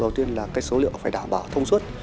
đầu tiên là số liệu phải đảm bảo thông suất